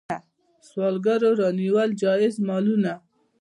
سوداګرو رانیول جایز مالونه.